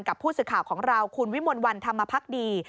ผู้สื่อข่าวของเราคุณวิมลวันธรรมพักดี